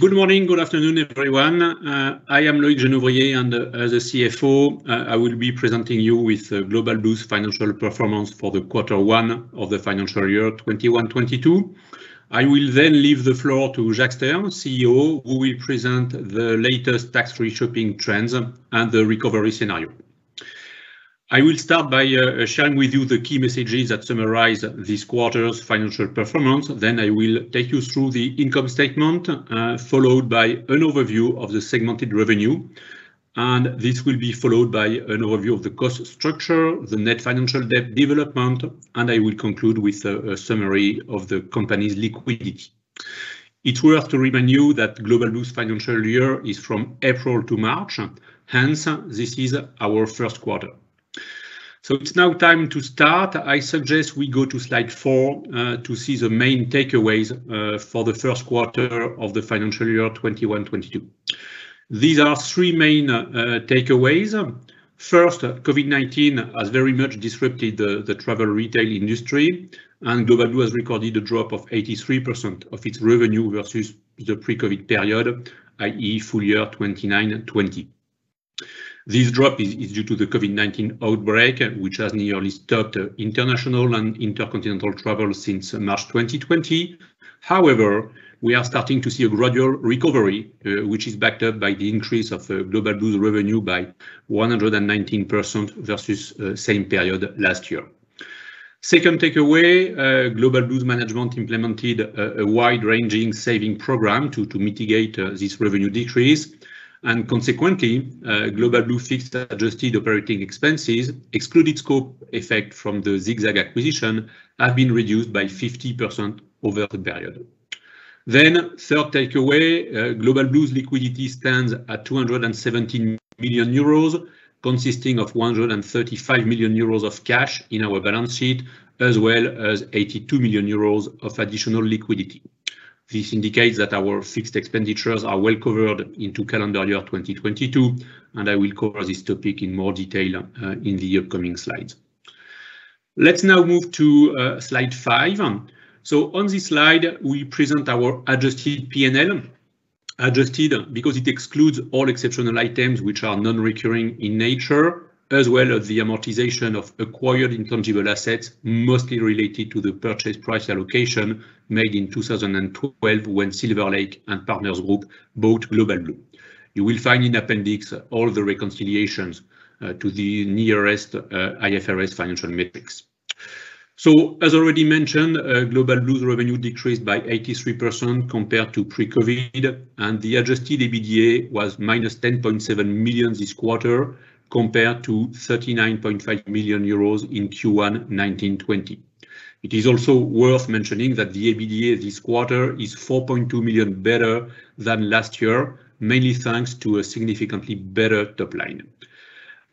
Good morning, good afternoon, everyone. I am Loic Jenouvrier, and as a CFO, I will be presenting you with Global Blue's financial performance for quarter one of the financial year 2021-2022. I will leave the floor to Jacques Stern, CEO, who will present the latest tax-free shopping trends and the recovery scenario. I will start by sharing with you the key messages that summarize this quarter's financial performance. I will take you through the income statement, followed by an overview of the segmented revenue. This will be followed by an overview of the cost structure, the net financial debt development, and I will conclude with a summary of the company's liquidity. It's worth to remind you that Global Blue's financial year is from April to March, hence, this is our first quarter. It's now time to start. I suggest we go to slide four to see the main takeaways for the first quarter of the financial year 2021-2022. These are our three main takeaways. First, COVID-19 has very much disrupted the travel retail industry, and Global Blue has recorded a drop of 83% of its revenue versus the pre-COVID period, i.e., full year 2019 and 2020. This drop is due to the COVID-19 outbreak, which has nearly stopped international and intercontinental travel since March 2020. However, we are starting to see a gradual recovery, which is backed up by the increase of Global Blue's revenue by 119% versus same period last year. Second takeaway, Global Blue's management implemented a wide-ranging saving program to mitigate this revenue decrease. Consequently, Global Blue fixed adjusted operating expenses, excluded scope effect from the ZigZag acquisition, have been reduced by 50% over the period. Third takeaway, Global Blue's liquidity stands at 217 million euros, consisting of 135 million euros of cash in our balance sheet, as well as 82 million euros of additional liquidity. This indicates that our fixed expenditures are well covered into calendar year 2022, and I will cover this topic in more detail in the upcoming slides. Let's now move to slide five. On this slide, we present our adjusted P&L. Adjusted because it excludes all exceptional items which are non-recurring in nature, as well as the amortization of acquired intangible assets, mostly related to the purchase price allocation made in 2012 when Silver Lake and Partners Group bought Global Blue. You will find in appendix all the reconciliations to the nearest IFRS financial metrics. As already mentioned, Global Blue's revenue decreased by 83% compared to pre-COVID, and the adjusted EBITDA was -10.7 million this quarter, compared to 39.5 million euros in Q1 2019-2020. It is also worth mentioning that the EBITDA this quarter is 4.2 million better than last year, mainly thanks to a significantly better top line.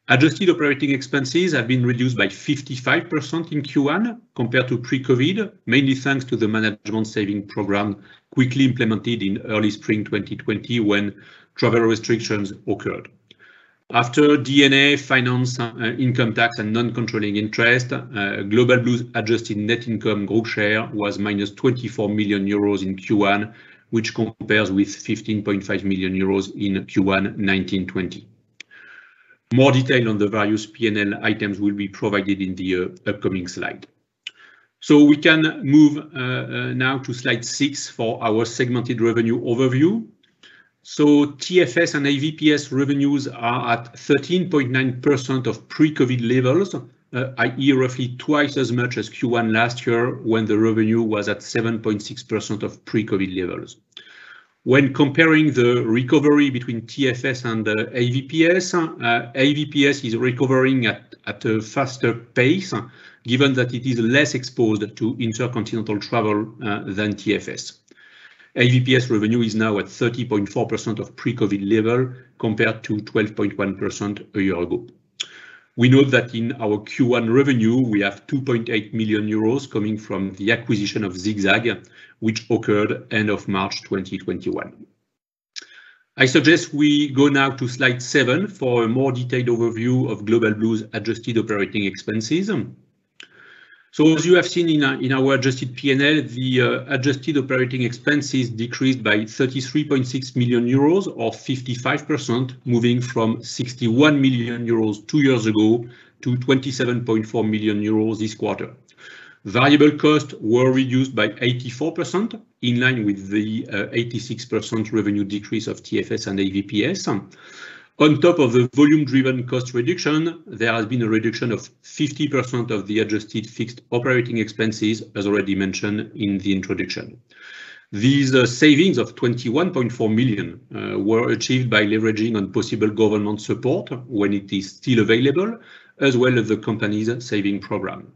Adjusted operating expenses have been reduced by 55% in Q1 compared to pre-COVID, mainly thanks to the management saving program quickly implemented in early spring 2020 when travel restrictions occurred. After D&A, finance, income tax, and non-controlling interest, Global Blue's adjusted net income group share was -24 million euros in Q1, which compares with 15.5 million euros in Q1 2019-2020. More detail on the various P&L items will be provided in the upcoming slide. We can move now to slide six for our segmented revenue overview. TFS and AVPS revenues are at 13.9% of pre-COVID levels, i.e., roughly twice as much as Q1 last year when the revenue was at 7.6% of pre-COVID levels. When comparing the recovery between TFS and AVPS is recovering at a faster pace, given that it is less exposed to intercontinental travel than TFS. AVPS revenue is now at 30.4% of pre-COVID level, compared to 12.1% a year ago. We note that in our Q1 revenue, we have 2.8 million euros coming from the acquisition of ZigZag, which occurred end of March 2021. I suggest we go now to slide seven for a more detailed overview of Global Blue's adjusted operating expenses. As you have seen in our adjusted P&L, the adjusted operating expenses decreased by 33.6 million euros, or 55%, moving from 61 million euros two years ago to 27.4 million euros this quarter. Variable costs were reduced by 84%, in line with the 86% revenue decrease of TFS and AVPS. On top of the volume-driven cost reduction, there has been a reduction of 50% of the adjusted fixed operating expenses, as already mentioned in the introduction. These savings of 21.4 million were achieved by leveraging on possible government support when it is still available, as well as the company's saving program.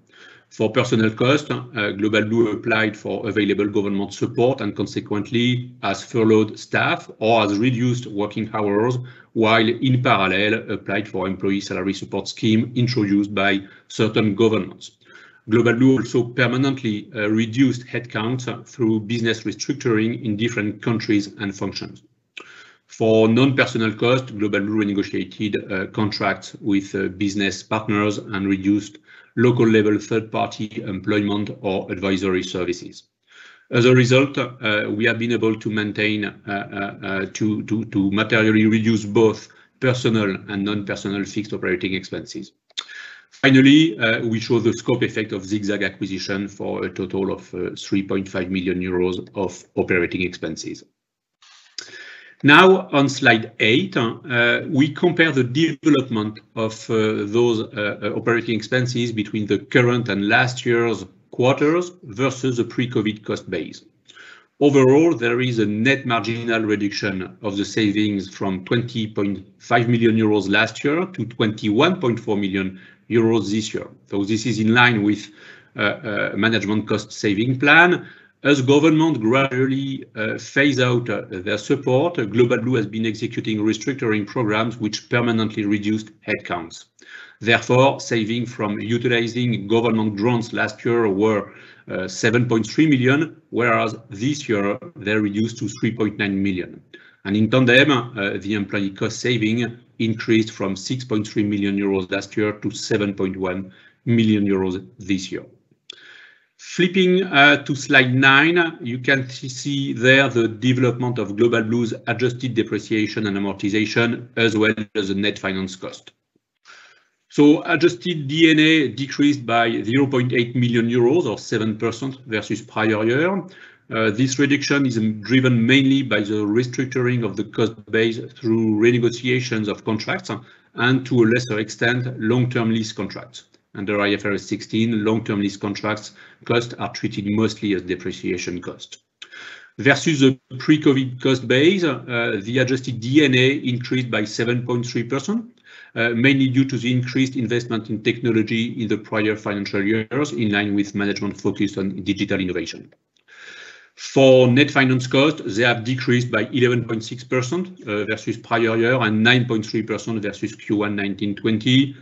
For personnel cost, Global Blue applied for available government support, and consequently, as furloughed staff, or as reduced working hours, while in parallel, applied for employee salary support scheme introduced by certain governments. Global Blue also permanently reduced headcount through business restructuring in different countries and functions. For non-personal cost, Global Blue renegotiated contracts with business partners and reduced local level third-party employment or advisory services. As a result, we have been able to materially reduce both personal and non-personal fixed operating expenses. We show the scope effect of ZigZag acquisition for a total of 3.5 million euros of operating expenses. On slide eight, we compare the development of those operating expenses between the current and last year's quarters versus the pre-COVID cost base. There is a net marginal reduction of the savings from 20.5 million euros last year to 21.4 million euros this year. This is in line with management cost saving plan. As government gradually phase out their support, Global Blue has been executing restructuring programs which permanently reduced headcounts. Saving from utilizing government grants last year were 7.3 million, whereas this year they're reduced to 3.9 million. In tandem, the employee cost saving increased from 6.3 million euros last year to 7.1 million euros this year. Flipping to slide nine, you can see there the development of Global Blue's adjusted depreciation and amortization, as well as the net finance cost. Adjusted D&A decreased by 0.8 million euros, or 7% versus prior year. This reduction is driven mainly by the restructuring of the cost base through renegotiations of contracts and, to a lesser extent, long-term lease contracts. Under IFRS 16, long-term lease contracts cost are treated mostly as depreciation cost. Versus the pre-COVID-19 cost base, the adjusted D&A increased by 7.3%, mainly due to the increased investment in technology in the prior financial years, in line with management focused on digital innovation. For net finance cost, they have decreased by 11.6% versus prior year and 9.3% versus Q1 2019-2020,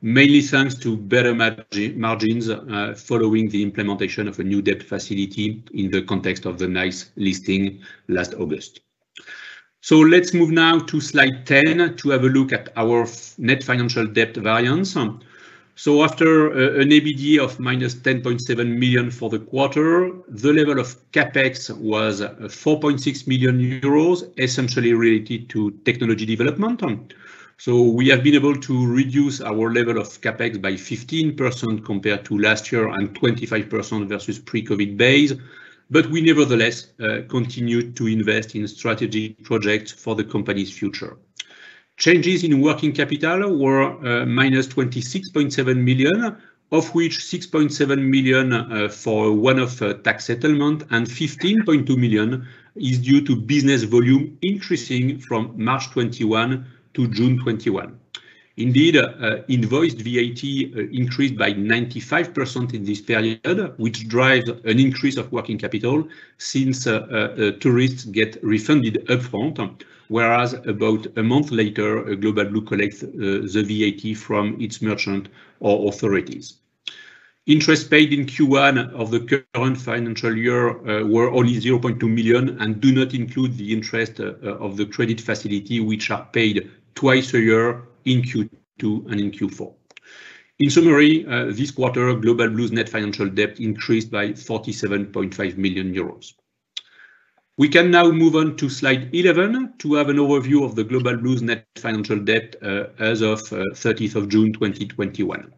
mainly thanks to better margins following the implementation of a new debt facility in the context of the NYSE listing last August. Let's move now to slide 10 to have a look at our net financial debt variance. After an EBITDA of -10.7 million for the quarter, the level of CapEx was 4.6 million euros, essentially related to technology development. We have been able to reduce our level of CapEx by 15% compared to last year, and 25% versus pre-COVID base. We nevertheless continue to invest in strategy projects for the company's future. Changes in working capital were -26.7 million, of which 6.7 million for one-off tax settlement and 15.2 million is due to business volume increasing from March 2021 to June 2021. Indeed, invoiced VAT increased by 95% in this period, which drives an increase of working capital since tourists get refunded upfront, whereas about a month later, Global Blue collects the VAT from its merchant or authorities. Interest paid in Q1 of the current financial year were only 0.2 million and do not include the interest of the credit facility which are paid twice a year in Q2 and in Q4. This quarter, Global Blue's net financial debt increased by 47.5 million euros. We can now move on to slide 11 to have an overview of the Global Blue's net financial debt as of 30th of June 2021.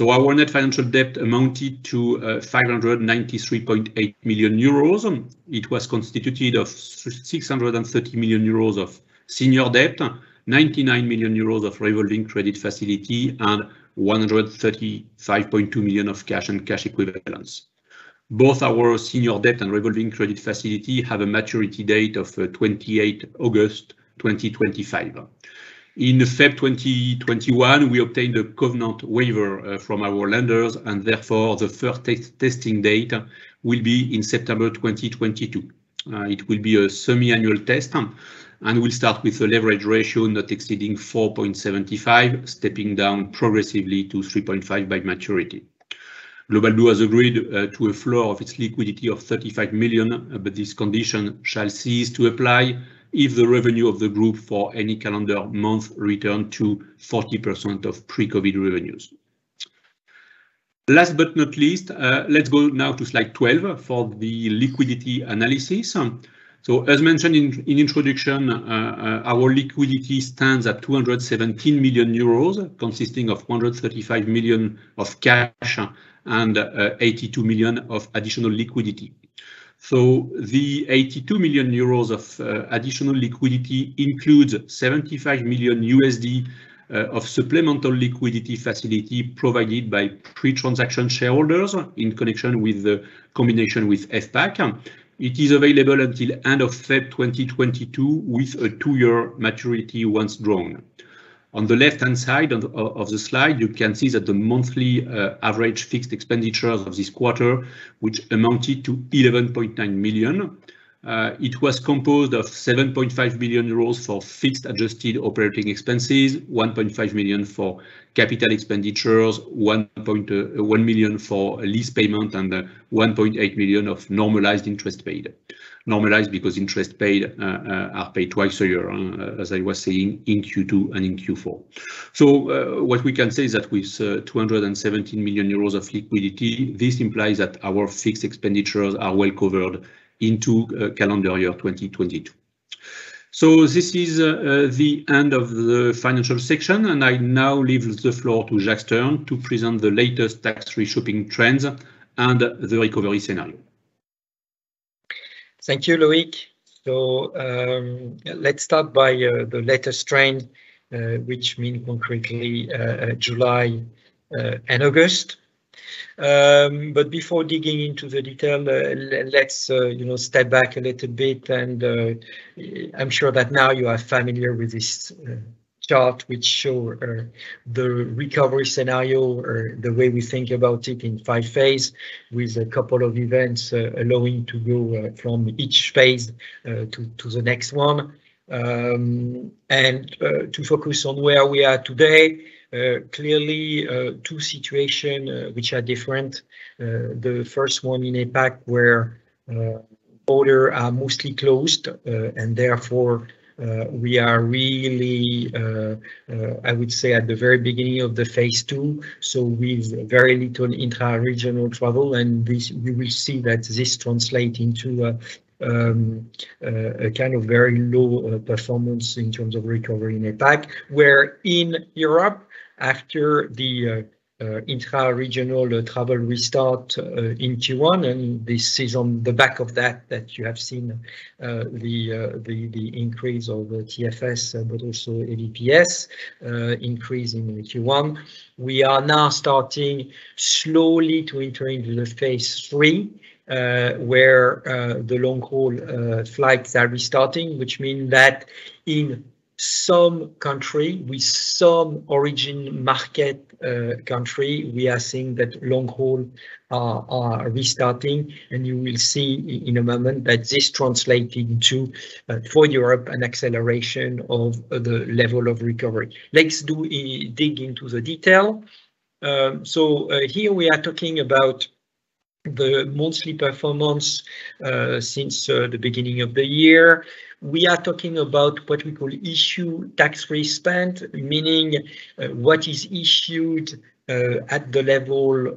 Our net financial debt amounted to 593.8 million euros. It was constituted of 630 million euros of senior debt, 99 million euros of revolving credit facility, and 135.2 million of cash and cash equivalents. Both our senior debt and revolving credit facility have a maturity date of 28 August 2025. In February 2021, we obtained a covenant waiver from our lenders, and therefore the first testing date will be in September 2022. It will be a semi-annual test and will start with a leverage ratio not exceeding 4.75, stepping down progressively to 3.5 by maturity. Global Blue has agreed to a floor of its liquidity of 35 million, but this condition shall cease to apply if the revenue of the group for any calendar month return to 40% of pre-COVID revenues. Last but not least, let's go now to slide 12 for the liquidity analysis. As mentioned in introduction, our liquidity stands at 217 million euros, consisting of 135 million of cash and 82 million of additional liquidity. The 82 million euros of additional liquidity includes $75 million of supplemental liquidity facility provided by pre-transaction shareholders in connection with the combination with FPAC. It is available until end of February 2022 with a two year maturity once drawn. On the left-hand side of the slide, you can see that the monthly average fixed expenditures of this quarter, which amounted to 11.9 million. It was composed of 7.5 million euros for fixed adjusted operating expenses, 1.5 million for capital expenditures, 1.1 million for lease payment, and 1.8 million of normalized interest paid, normalized because interest paid are paid twice a year, as I was saying, in Q2 and in Q4. What we can say is that with 217 million euros of liquidity, this implies that our fixed expenditures are well covered into calendar year 2022. This is the end of the financial section, and I now leave the floor to Jacques Stern to present the latest tax-free shopping trends and the recovery scenario. Thank you, Loic. Let's start by the latest trend, which means concretely July and August. Before digging into the detail, let's step back a little bit, and I'm sure that now you are familiar with this chart, which shows the recovery scenario or the way we think about it in five phase, with a couple of events allowing to go from each phase to the next one. To focus on where we are today, clearly, two situations which are different. The first one in APAC, where borders are mostly closed, and therefore, we are really, I would say, at the very beginning of the phase II, so with very little intra-regional travel. We will see that this translates into a very low performance in terms of recovery in APAC. In Europe, after the intra-regional travel restart in Q1, this is on the back of that you have seen the increase of the TFS, but also AVPS increase in the Q1. We are now starting slowly to enter into the phase III, where the long-haul flights are restarting, which mean that in some country, with some origin market country, we are seeing that long-haul are restarting. You will see in a moment that this translating to, for Europe, an acceleration of the level of recovery. Let's do a dig into the detail. Here we are talking about the monthly performance since the beginning of the year. We are talking about what we call issue tax-free spend, meaning what is issued at the level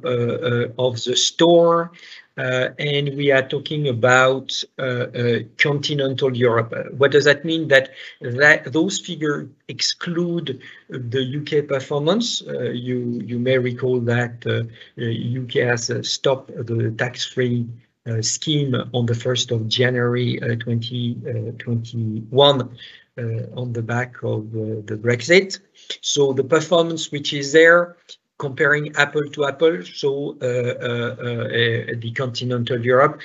of the store. We are talking about continental Europe. What does that mean? That those figure exclude the U.K. performance. You may recall that U.K. has stopped the tax-free scheme on the 1st of January, 2021, on the back of the Brexit. The performance which is there, comparing apple to apple, so at the continental Europe.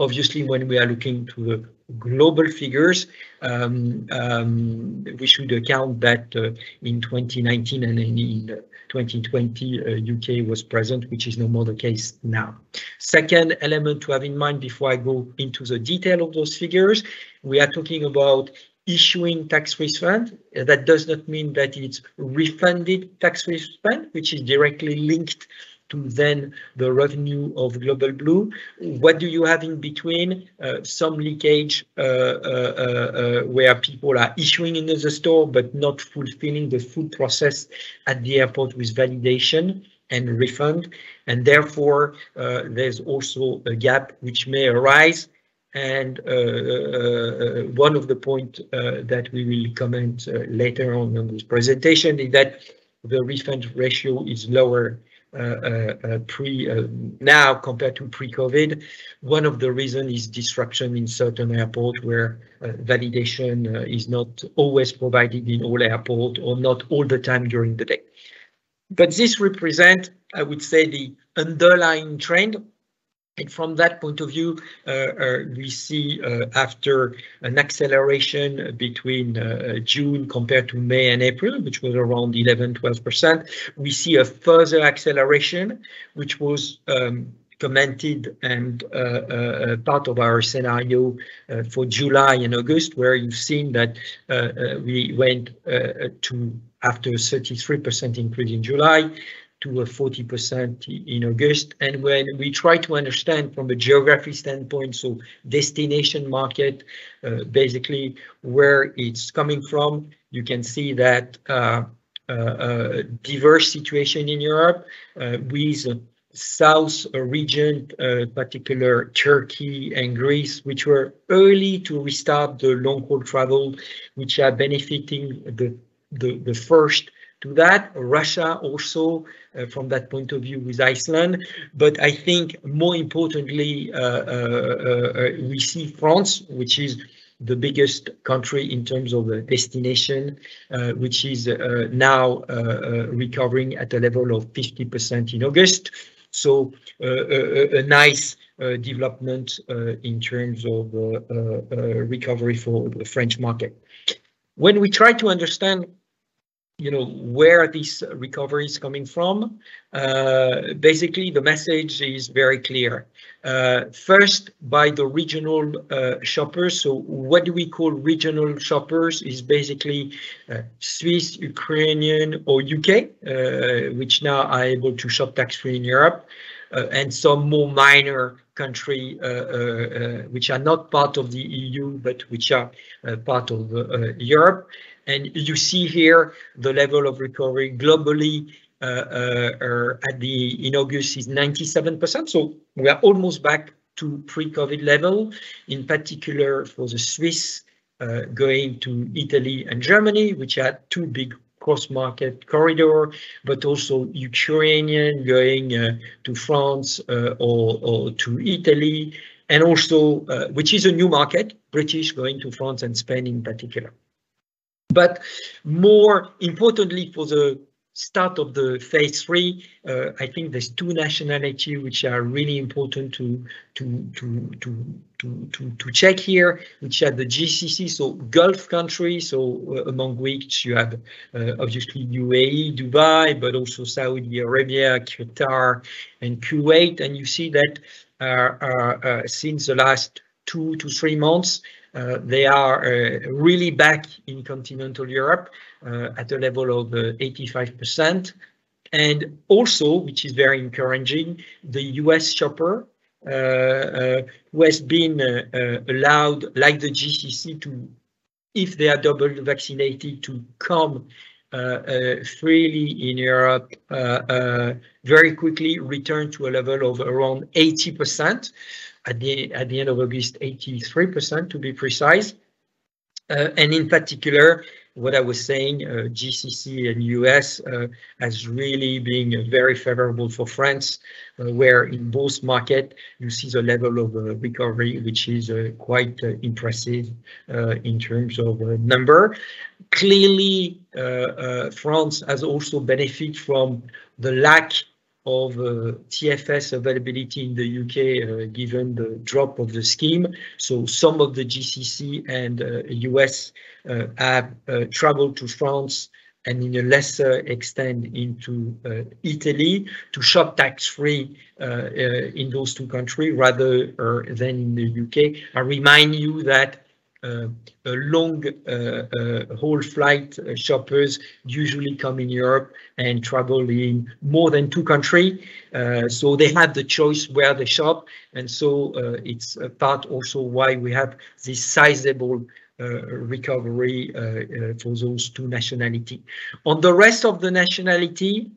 Obviously, when we are looking to the global figures, we should account that in 2019 and in 2020, U.K. was present, which is no more the case now. Second element to have in mind before I go into the detail of those figures, we are talking about issuing tax refund. That does not mean that it's refunded tax refund, which is directly linked to then the revenue of Global Blue. What do you have in between? Some leakage, where people are issuing in the store, but not fulfilling the full process at the airport with validation and refund, and therefore, there's also a gap which may arise. One of the point that we will comment later on in this presentation is that the refund ratio is lower now compared to pre-COVID. One of the reason is disruption in certain airports where validation is not always provided in all airport or not all the time during the day. This represent, I would say, the underlying trend. From that point of view, we see after an acceleration between June compared to May and April, which was around 11%-12%, we see a further acceleration, which was commented and part of our scenario for July and August, where you've seen that we went to after 33% increase in July to a 40% in August. When we try to understand from a geography standpoint, so destination market, basically, where it's coming from, you can see that a diverse situation in Europe with south region, particular Turkey and Greece, which were early to restart the long-haul travel, which are benefiting the first to that. Russia also, from that point of view with Iceland. I think more importantly, we see France, which is the biggest country in terms of destination, which is now recovering at a level of 50% in August. A nice development in terms of recovery for the French market. When we try to understand where this recovery is coming from, basically, the message is very clear. First, by the regional shoppers. What we call regional shoppers is basically Swiss, Ukrainian, or U.K., which now are able to shop tax-free in Europe. Some more minor countries which are not part of the EU, but which are part of Europe. You see here the level of recovery globally in August is 97%. We are almost back to pre-COVID level, in particular for the Swiss going to Italy and Germany, which are two big cross-market corridor. Also Ukrainian going to France or to Italy, and also, which is a new market, British going to France and Spain in particular. More importantly, for the start of the phase III, I think there's two nationalities which are really important to check here, which are the GCC, so Gulf countries. Among which you have obviously UAE, Dubai, but also Saudi Arabia, Qatar and Kuwait. You see that since the last two to three months, they are really back in continental Europe, at a level of 85%. Also, which is very encouraging, the U.S. shopper, who has been allowed, like the GCC, if they are double vaccinated, to come freely in Europe, very quickly returned to a level of around 80%. At the end of August, 83%, to be precise. In particular, what I was saying, GCC and U.S. as really being very favorable for France, where in both markets you see the level of recovery, which is quite impressive, in terms of number. Clearly, France has also benefit from the lack of TFS availability in the U.K., given the drop of the scheme. Some of the GCC and U.S. have traveled to France and in a lesser extent into Italy to shop tax-free in those two countries rather than in the U.K. I remind you that long-haul flight shoppers usually come in Europe and travel in more than two countries. They have the choice where they shop. It's a part also why we have this sizable recovery for those two nationalities. On the rest of the nationalities,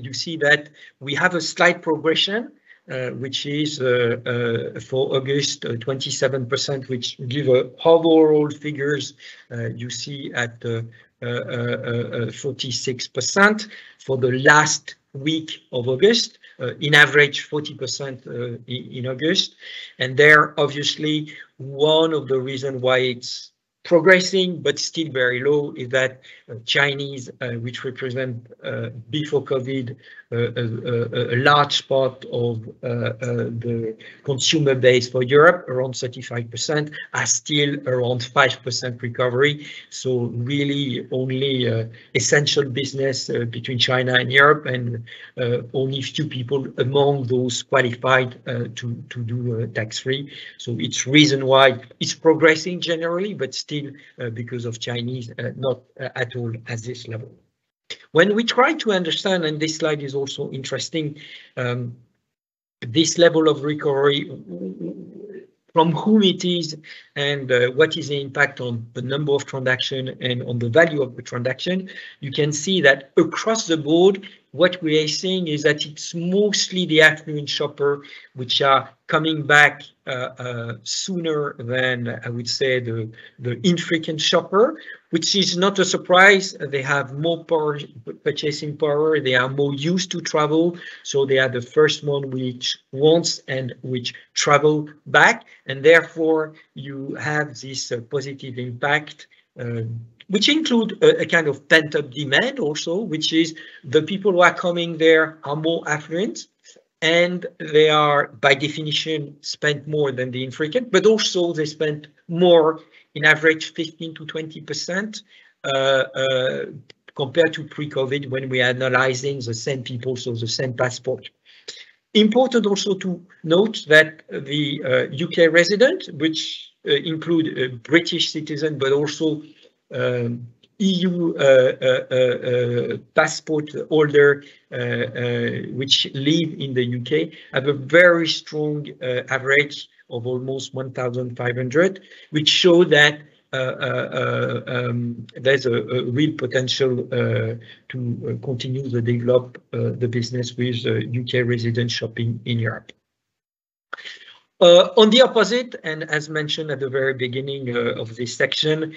you see that we have a slight progression, which is, for August, 27%, which give overall figures you see at 46% for the last week of August. In average, 40% in August. There, obviously, one of the reasons why it's progressing but still very low is that Chinese, which represent before COVID-19, a large part of the consumer base for Europe, around 35%, are still around 5% recovery. Really only essential business between China and Europe and only few people among those qualified to do tax-free. It's reason why it's progressing generally, but still because of Chinese, not at all at this level. When we try to understand, and this slide is also interesting, this level of recovery from whom it is and what is the impact on the number of transactions and on the value of the transaction, you can see that across the board, what we are seeing is that it's mostly the affluent shoppers which are coming back sooner than, I would say, the infrequent shopper, which is not a surprise. They have more purchasing power. They are more used to travel, so they are the first one which wants and which travel back, and therefore you have this positive impact. Which include a kind of pent-up demand also, which is the people who are coming there are more affluent, and they are, by definition, spend more than the infrequent. Also they spend more, in average 15%-20%, compared to pre-COVID-19 when we are analyzing the same people, so the same passport. Important also to note that the U.K. resident, which include British citizen, but also EU passport holder which live in the U.K., have a very strong average of almost 1,500, which show that there's a real potential to continue to develop the business with U.K. resident shopping in Europe. On the opposite, as mentioned at the very beginning of this section,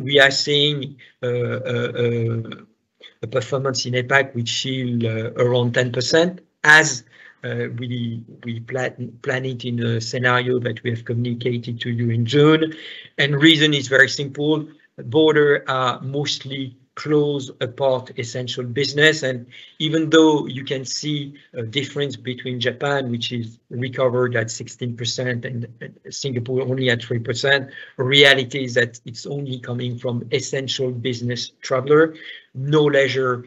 we are seeing a performance in APAC which shield around 10%, as we plan it in a scenario that we have communicated to you in June. Reason is very simple. Borders are mostly closed apart essential business, and even though you can see a difference between Japan, which is recovered at 16%, and Singapore only at 3%, reality is that it's only coming from essential business traveler, no leisure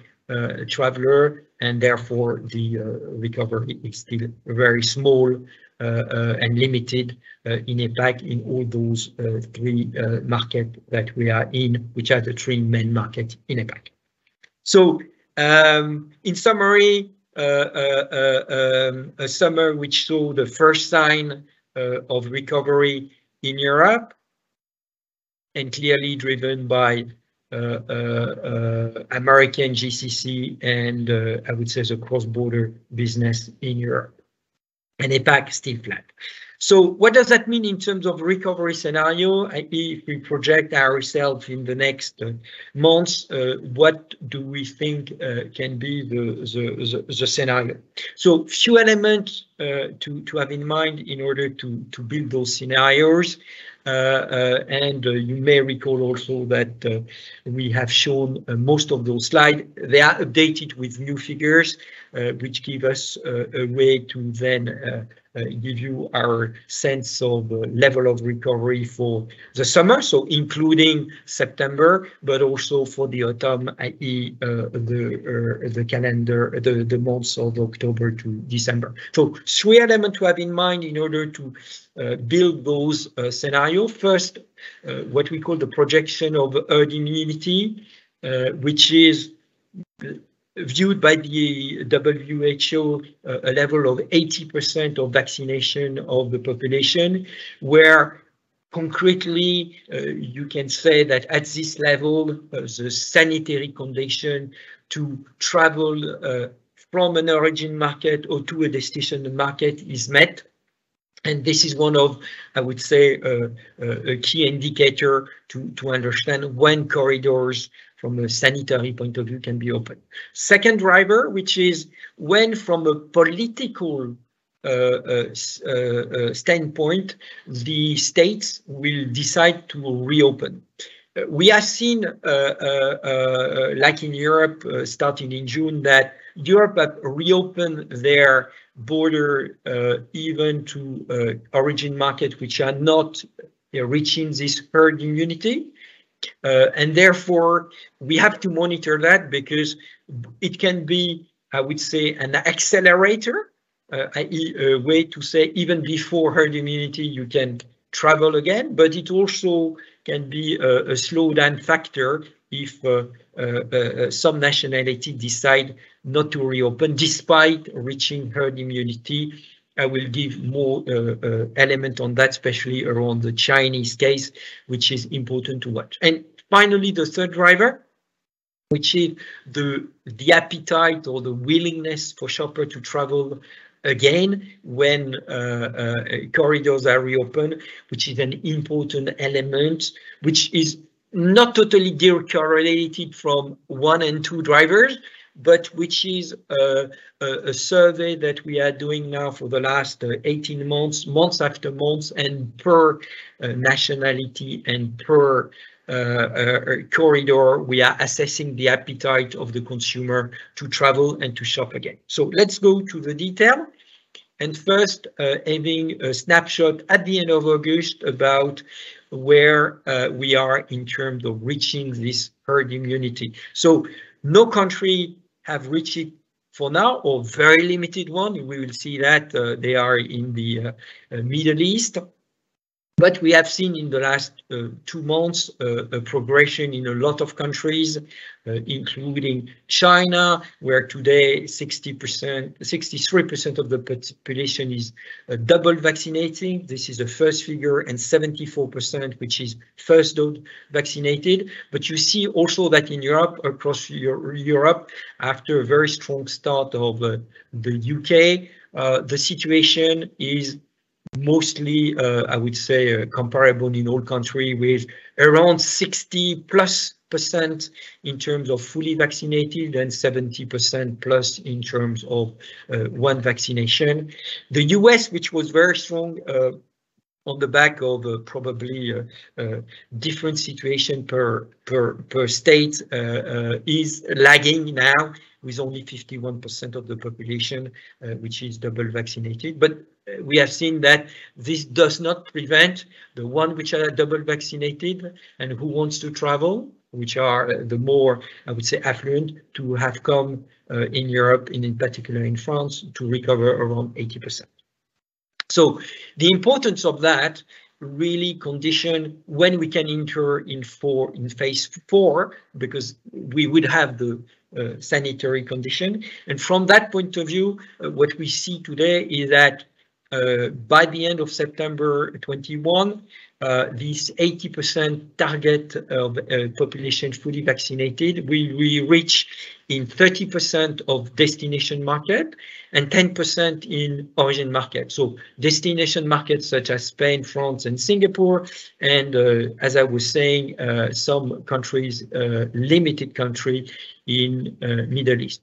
traveler, and therefore the recovery is still very small and limited in APAC in all those three markets that we are in, which are the three main markets in APAC. In summary, a summer which saw the first sign of recovery in Europe, and clearly driven by American GCC and, I would say, the cross-border business in Europe, and APAC still flat. What does that mean in terms of recovery scenario, if we project ourselves in the next months, what do we think can be the scenario? A few elements to have in mind in order to build those scenarios. You may recall also that we have shown most of those slides. They are updated with new figures, which give us a way to then give you our sense of level of recovery for the summer, so including September, but also for the autumn, i.e., the months of October to December. Three elements to have in mind in order to build those scenario. First, what we call the projection of herd immunity, which is viewed by the WHO, a level of 80% of vaccination of the population, where concretely you can say that at this level, the sanitary condition to travel from an origin market or to a destination market is met. This is one of, I would say, a key indicator to understand when corridors from a sanitary point of view can be open. Second driver, which is when, from a political standpoint, the states will decide to reopen. We have seen, like in Europe, starting in June, that Europe have reopened their border, even to origin market, which are not reaching this herd immunity. Therefore, we have to monitor that because it can be, I would say, an accelerator, i.e., a way to say even before herd immunity, you can travel again. It also can be a slowdown factor if some nationality decide not to reopen despite reaching herd immunity. I will give more element on that, especially around the Chinese case, which is important to watch. Finally, the third driver, which is the appetite or the willingness for shopper to travel again when corridors are reopened, which is an important element, which is not totally correlated from one and two drivers, but which is a survey that we are doing now for the last 18 months after months, and per nationality and per corridor, we are assessing the appetite of the consumer to travel and to shop again. Let's go to the detail. First, having a snapshot at the end of August about where we are in terms of reaching this herd immunity. No country have reached it for now or very limited one. We will see that they are in the Middle East. We have seen in the last two months a progression in a lot of countries, including China, where today 63% of the population is double vaccinating. This is the first figure and 74%, which is first dose vaccinated. You see also that in Europe, across Europe, after a very strong start of the U.K., the situation is mostly, I would say, comparable in all country with around 60%+ in terms of fully vaccinated and 70%+ in terms of one vaccination. The U.S., which was very strong on the back of probably a different situation per state is lagging now with only 51% of the population, which is double vaccinated. We have seen that this does not prevent the one which are double vaccinated and who wants to travel, which are the more, I would say, affluent to have come in Europe, in particular in France, to recover around 80%. The importance of that really condition when we can enter in phase IV, because we would have the sanitary condition. From that point of view, what we see today is that by the end of September 2021, this 80% target of population fully vaccinated will be reached in 30% of destination market and 10% in origin market. Destination markets such as Spain, France, and Singapore, and as I was saying, some limited country in Middle East.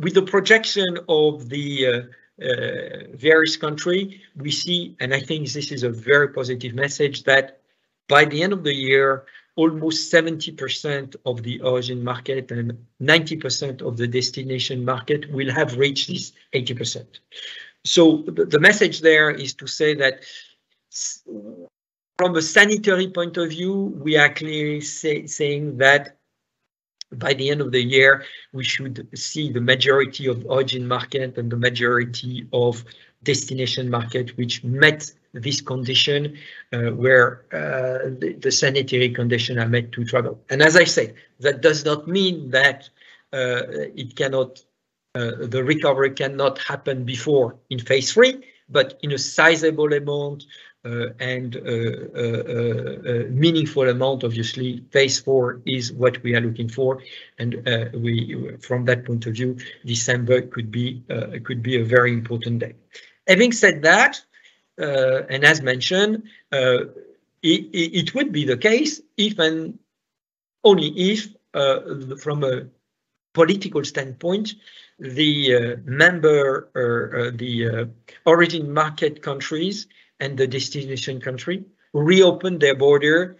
With the projection of the various country, we see, and I think this is a very positive message, that by the end of the year, almost 70% of the origin market and 90% of the destination market will have reached this 80%. The message there is to say that from a sanitary point of view, we are clearly saying that by the end of the year, we should see the majority of origin market and the majority of destination market which met this condition, where the sanitary condition are met to travel. As I say, that does not mean that the recovery cannot happen before in phase III, but in a sizable amount and a meaningful amount, obviously, phase IV is what we are looking for. From that point of view, December could be a very important date. Having said that, and as mentioned, it would be the case if and only if, from a political standpoint, the member or the origin market countries and the destination country reopen their border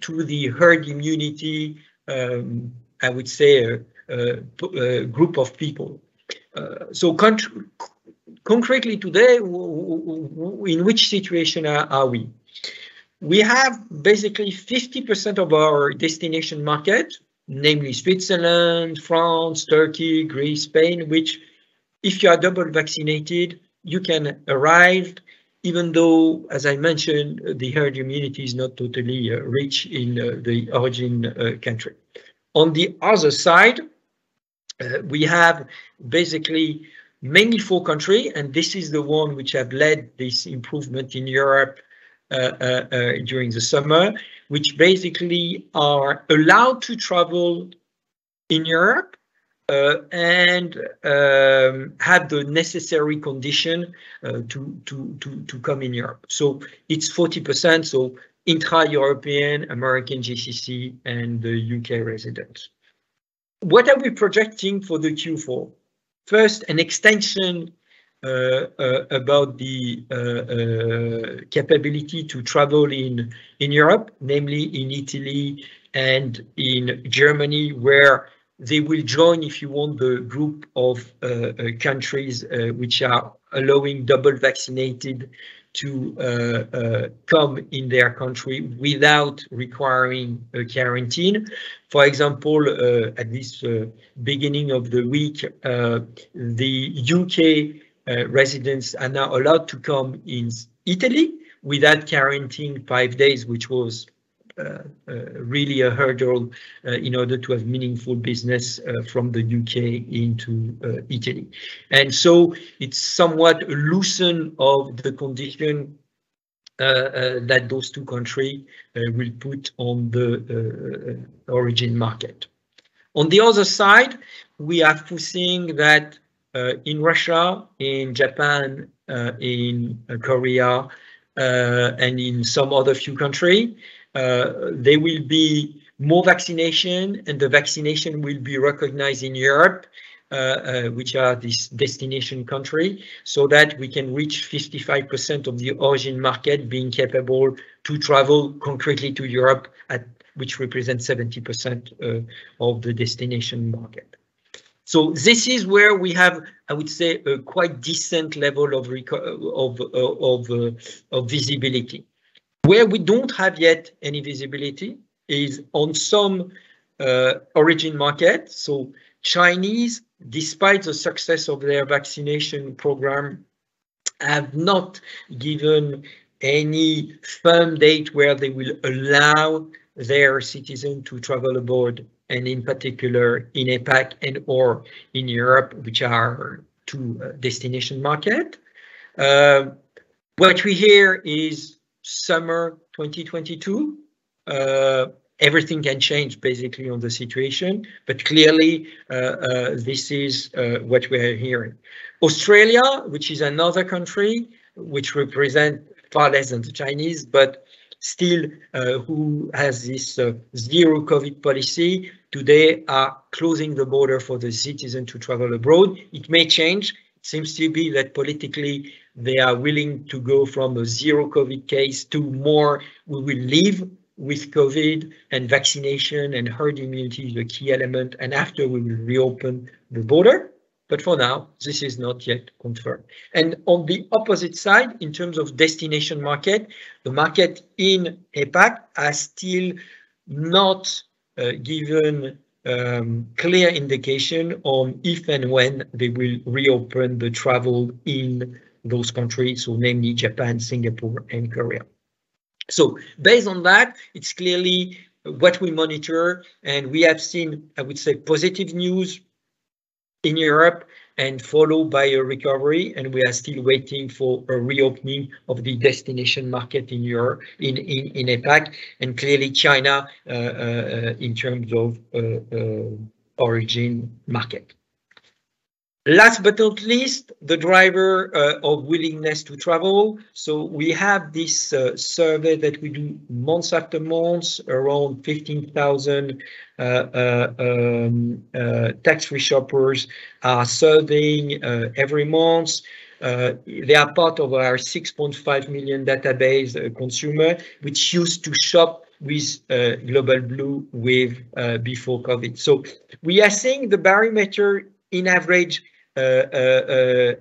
to the herd immunity, I would say, group of people. Concretely today, in which situation are we? We have basically 50% of our destination market, namely Switzerland, France, Turkey, Greece, Spain, which if you are double vaccinated, you can arrive, even though, as I mentioned, the herd immunity is not totally rich in the origin country. On the other side, we have basically mainly four country, and this is the one which have led this improvement in Europe during the summer, which basically are allowed to travel in Europe and have the necessary condition to come in Europe. It's 40%, so entire European, American, GCC, and the U.K. residents. What are we projecting for the Q4? First, an extension about the capability to travel in Europe, namely in Italy and in Germany, where they will join, if you want, the group of countries which are allowing double vaccinated to come in their country without requiring a quarantine. For example, at this beginning of the week, the U.K. residents are now allowed to come in Italy without quarantining five days, which was really a hurdle in order to have meaningful business from the U.K. into Italy. It's somewhat loosen of the condition that those two country will put on the origin market. On the other side, we are foreseeing that in Russia, in Japan, in Korea, and in some other few country, there will be more vaccination, and the vaccination will be recognized in Europe, which are these destination country, so that we can reach 55% of the origin market being capable to travel concretely to Europe at which represents 70% of the destination market. This is where we have, I would say, a quite decent level of visibility. Where we don't have yet any visibility is on some origin market. Chinese, despite the success of their vaccination program, have not given any firm date where they will allow their citizen to travel abroad, and in particular in APAC and/or in Europe, which are two destination market. What we hear is summer 2022. Everything can change basically on the situation, clearly, this is what we are hearing. Australia, which is another country which represent far less than the Chinese, but still who has this zero COVID policy, today are closing the border for the citizen to travel abroad. It may change. It seems to be that politically they are willing to go from a zero COVID case to more we will live with COVID and vaccination and herd immunity is a key element, after we will reopen the border. For now, this is not yet confirmed. On the opposite side, in terms of destination market, the market in APAC has still not given clear indication on if and when they will reopen the travel in those countries, namely Japan, Singapore, and Korea. Based on that, it's clearly what we monitor, and we have seen, I would say, positive news in Europe and followed by a recovery, and we are still waiting for a reopening of the destination market in APAC, and clearly China, in terms of origin market. Last but not least, the driver of willingness to travel. We have this survey that we do month after month, around 15,000 tax-free shoppers are surveyed every month. They are part of our 6.5 million database consumer, which used to shop with Global Blue before COVID. We are seeing the barometer in average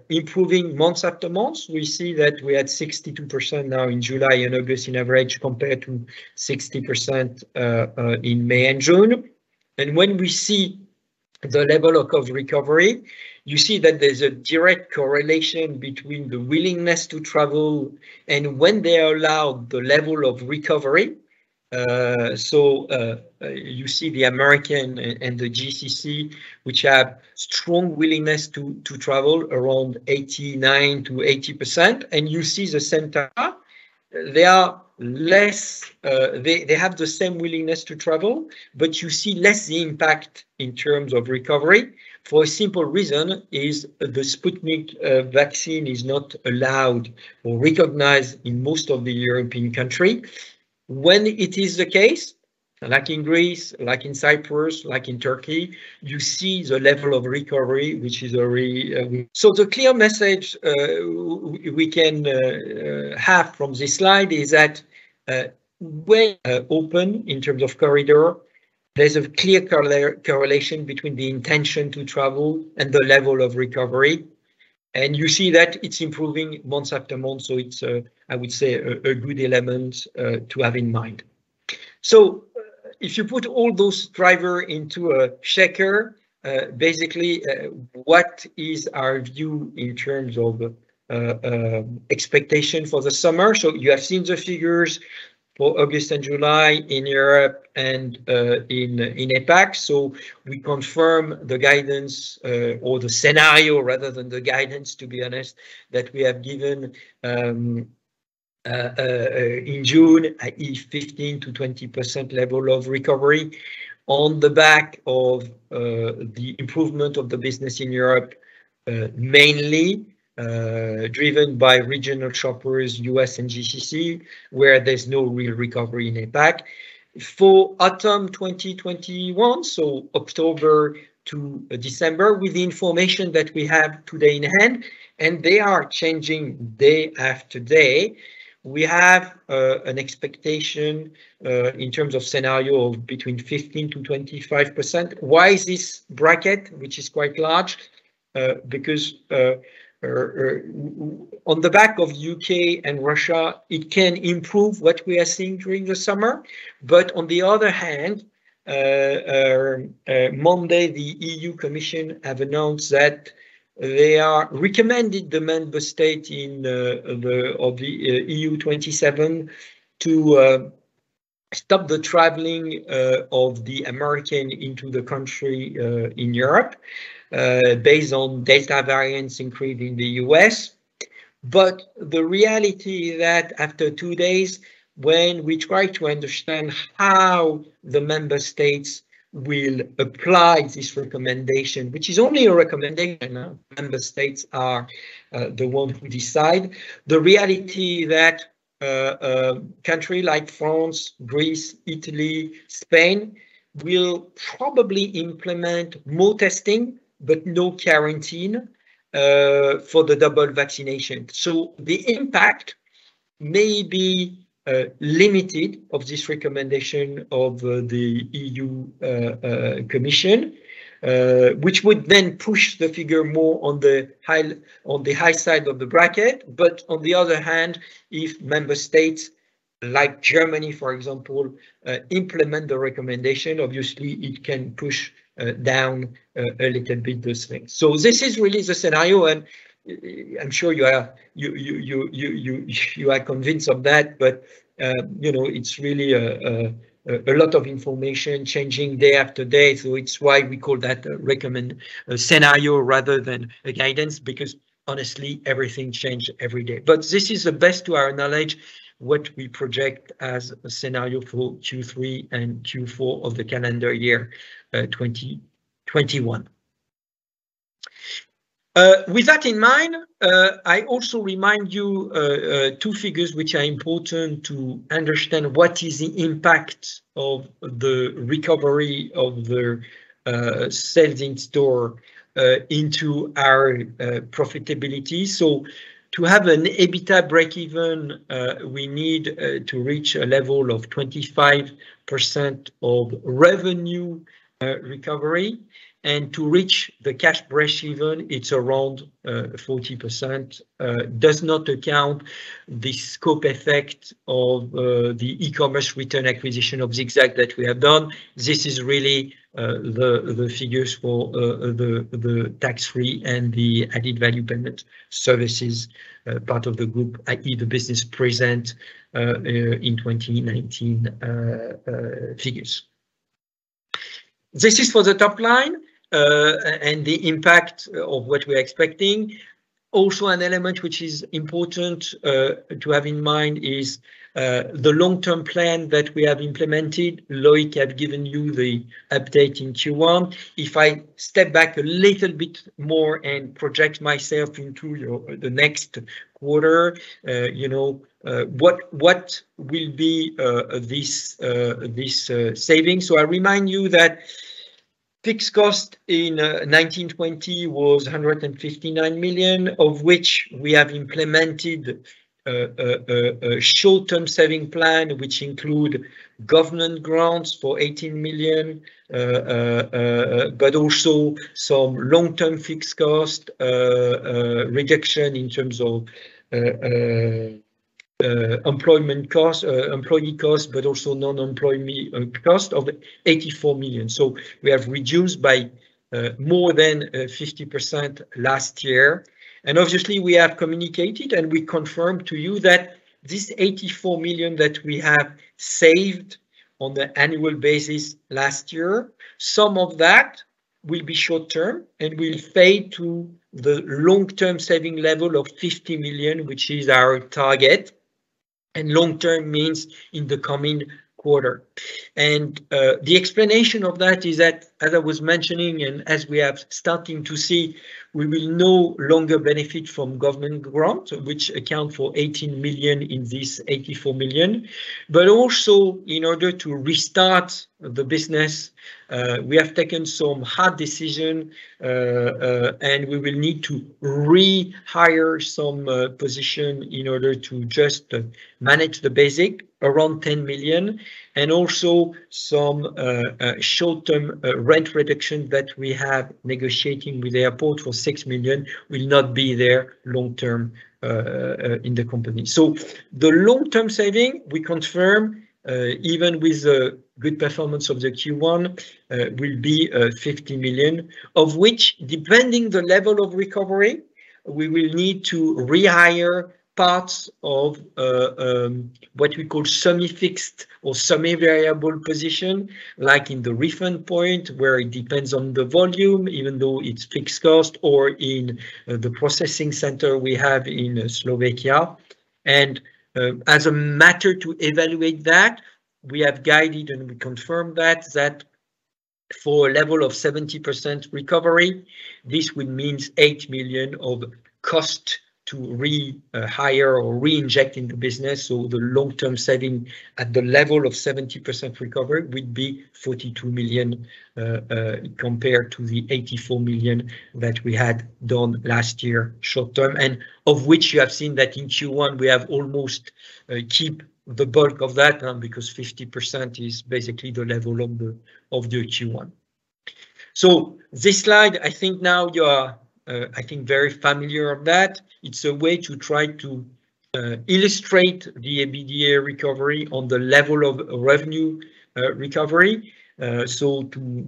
improving month after month. We see that we had 62% now in July and August in average compared to 60% in May and June. When we see the level of COVID-19 recovery, you see that there's a direct correlation between the willingness to travel and when they are allowed the level of recovery. You see the American and the GCC, which have strong willingness to travel around 89%-80%. You see the center, they have the same willingness to travel, but you see less the impact in terms of recovery for a simple reason, is the Sputnik vaccine is not allowed or recognized in most of the European country. When it is the case, like in Greece, like in Cyprus, like in Turkey, you see the level of recovery. The clear message we can have from this slide is that when open in terms of corridor, there's a clear correlation between the intention to travel and the level of recovery, and you see that it's improving month after month. It's, I would say, a good element to have in mind. If you put all those drivers into a shaker, basically, what is our view in terms of expectation for the summer? You have seen the figures for August and July in Europe and in APAC. We confirm the guidance or the scenario, rather than the guidance, to be honest, that we have given in June, i.e., 15%-20% level of recovery on the back of the improvement of the business in Europe, mainly driven by regional shoppers, U.S. and GCC, where there's no real recovery in APAC. For autumn 2021, so October to December, with the information that we have today in hand, and they are changing day after day, we have an expectation, in terms of scenario, of between 15%-25%. Why is this bracket, which is quite large? Because on the back of U.K. and Russia, it can improve what we are seeing during the summer. On Monday, the EU Commission have announced that they are recommending the member state of the EU 27 to stop the traveling of Americans into the country in Europe based on Delta variants increased in the U.S. The reality that after two days, when we try to understand how the member states will apply this recommendation, which is only a recommendation now, member states are the one who decide. The reality that a country like France, Greece, Italy, Spain, will probably implement more testing but no quarantine for the double vaccination. The impact may be limited of this recommendation of the EU Commission, which would then push the figure more on the high side of the bracket. If member states like Germany, for example, implement the recommendation, obviously it can push down a little bit those things. This is really the scenario, and I'm sure you are convinced of that. It's really a lot of information changing day after day. It's why we call that a scenario rather than a guidance because, honestly, everything change every day. This is the best to our knowledge what we project as a scenario for Q3 and Q4 of the calendar year 2021. With that in mind, I also remind you two figures which are important to understand what is the impact of the recovery of the sales in store into our profitability. To have an EBITDA breakeven, we need to reach a level of 25% of revenue recovery. To reach the cash breakeven, it's around 40%. Does not account the scope effect of the e-commerce return acquisition of ZigZag that we have done. This is really the figures for the tax-free and the Added Value Payment Services part of the group, i.e., the business present in 2019 figures. This is for the top line and the impact of what we're expecting. An element which is important to have in mind is the long-term plan that we have implemented. Loic have given you the update in Q1. If I step back a little bit more and project myself into the next quarter, what will be this savings? I remind you that fixed cost in 2019-2020 was 159 million, of which we have implemented a short-term saving plan, which include government grants for 18 million, but also some long-term fixed cost reduction in terms of employee cost, but also non-employee cost of 84 million. We have reduced by more than 50% last year. Obviously, we have communicated, and we confirmed to you that this 84 million that we have saved on the annual basis last year, some of that will be short term and will fade to the long-term saving level of 50 million, which is our target. Long-term means in the coming quarter. The explanation of that is that, as I was mentioning, and as we are starting to see, we will no longer benefit from government grants, which account for 18 million in this 84 million. Also, in order to restart the business, we have taken some hard decision, and we will need to rehire some position in order to just manage the basic, around 10 million, and also some short-term rent reduction that we have negotiating with the airport for 6 million will not be there long-term in the company. The long-term saving, we confirm, even with the good performance of the Q1, will be 50 million. Of which, depending the level of recovery, we will need to rehire parts of what we call semi-fixed or semi-variable position, like in the refund point where it depends on the volume, even though it's fixed cost, or in the processing center we have in Slovakia. As a matter to evaluate that, we have guided and we confirm that for a level of 70% recovery, this will means 8 million of cost to rehire or reinject into business. The long-term saving at the level of 70% recovery would be 42 million, compared to the 84 million that we had done last year short-term, and of which you have seen that in Q1, we have almost keep the bulk of that because 50% is basically the level of the Q1. This slide, I think now you are, I think, very familiar of that. It's a way to try to illustrate the EBITDA recovery on the level of revenue recovery. To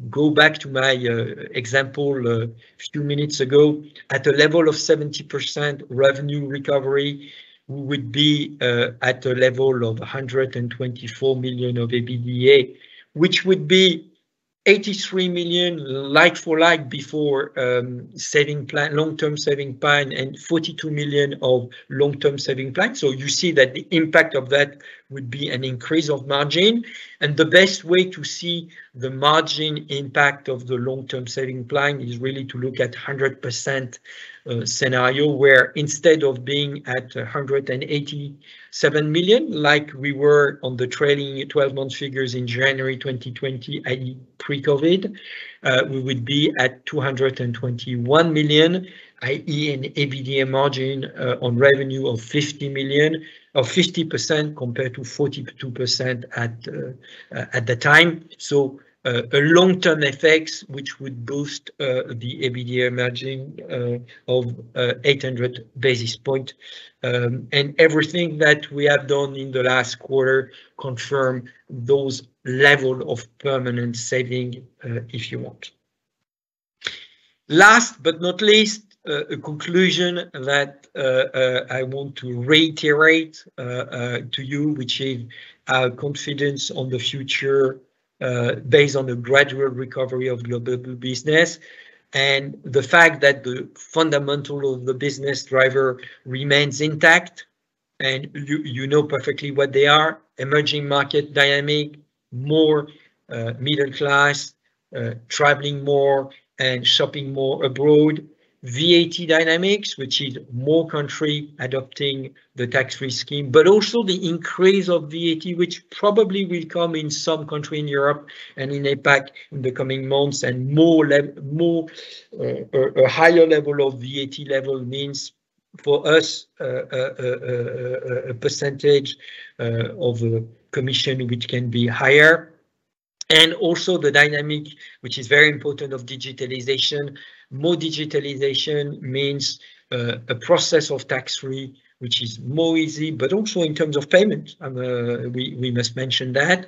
go back to my example a few minutes ago, at a level of 70% revenue recovery, we would be at a level of 124 million of EBITDA, which would be 83 million like for like before long-term saving plan, and 42 million of long-term saving plan. You see that the impact of that would be an increase of margin, and the best way to see the margin impact of the long-term saving plan is really to look at 100% scenario, where instead of being at 187 million, like we were on the trailing 12-month figures in January 2020, i.e., pre-COVID-19, we would be at 221 million, i.e., an EBITDA margin on revenue of 50 million, or 50% compared to 42% at the time. A long-term effects, which would boost the EBITDA margin of 800 basis point. Everything that we have done in the last quarter confirm those level of permanent saving, if you want. Last but not least, a conclusion that I want to reiterate to you, which is our confidence on the future, based on the gradual recovery of global business and the fact that the fundamental of the business driver remains intact. You know perfectly what they are: emerging market dynamic, more middle class traveling more and shopping more abroad. VAT dynamics, which is more country adopting the tax-free scheme, but also the increase of VAT, which probably will come in some country in Europe and in APAC in the coming months. More a higher level of VAT level means, for us, a percentage of commission which can be higher. Also the dynamic, which is very important, of digitalization. More digitalization means a process of tax-free, which is more easy. Also in terms of payment, we must mention that.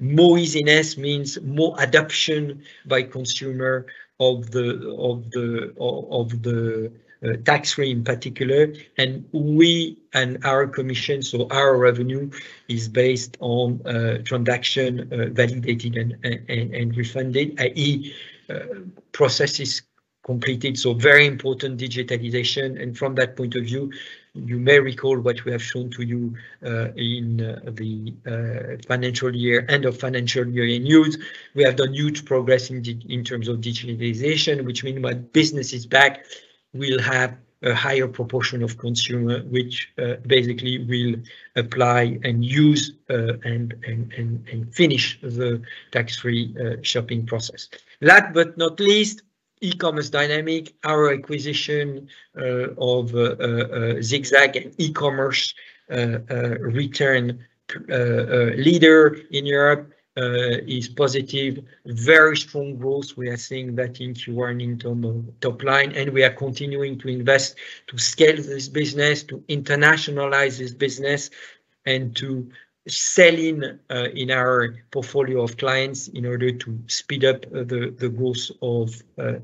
More easiness means more adoption by consumer of the tax-free in particular. We, and our commission, our revenue is based on transaction validated and refunded, i.e., processes completed. Very important, digitalization. From that point of view, you may recall what we have shown to you in the end of financial year in June. We have done huge progress in terms of digitalization, which mean when business is back, we'll have a higher proportion of consumer, which basically will apply and use and finish the tax-free shopping process. Last but not least, e-commerce dynamic. Our acquisition of ZigZag, an e-commerce return leader in Europe, is positive. Very strong growth. We are seeing that in Q1 in terms of top line. We are continuing to invest to scale this business, to internationalize this business, and to sell in our portfolio of clients in order to speed up the growth of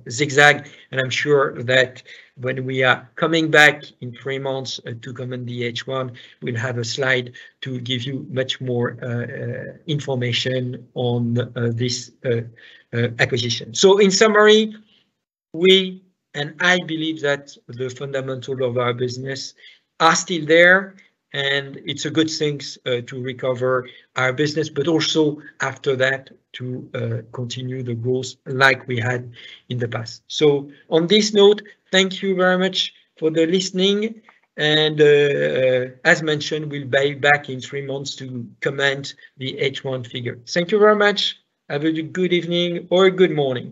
ZigZag. I'm sure that when we are coming back in three months to comment the H1, we'll have a slide to give you much more information on this acquisition. In summary, we and I believe that the fundamental of our business are still there. It's a good thing to recover our business, also after that, to continue the growth like we had in the past. On this note, thank you very much for the listening. As mentioned, we'll be back in three months to comment the H1 figure. Thank you very much. Have a good evening or a good morning.